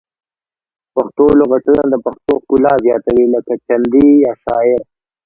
پښتو لغتونه د پښتو ښکلا زیاتوي لکه چندي یا شاعر